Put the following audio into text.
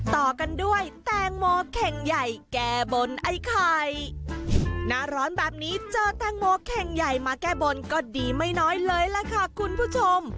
ต่อกันด้วยแตงโมเข่งใหญ่แก้บนไอ้ไข่หน้าร้อนแบบนี้เจอแตงโมเข่งใหญ่มาแก้บนก็ดีไม่น้อยเลยล่ะค่ะคุณผู้ชม